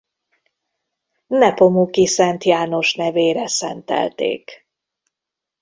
Nepomuki Szent János nevére szentelték.